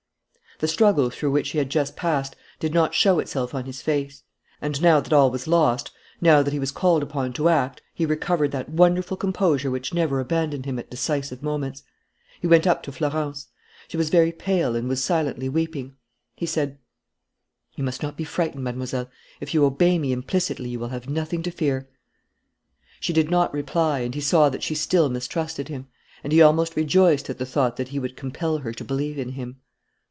The struggle through which he had just passed did not show itself on his face; and, now that all was lost, now that he was called upon to act, he recovered that wonderful composure which never abandoned him at decisive moments. He went up to Florence. She was very pale and was silently weeping. He said: "You must not be frightened, Mademoiselle. If you obey me implicitly, you will have nothing to fear." She did not reply and he saw that she still mistrusted him. And he almost rejoiced at the thought that he would compel her to believe in him.